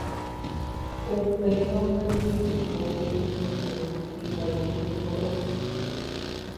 Upérõ kyhyjepópe oñepyrũ hikuái oñembo'e.